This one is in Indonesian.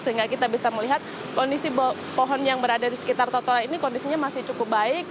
sehingga kita bisa melihat kondisi pohon yang berada di sekitar trotoar ini kondisinya masih cukup baik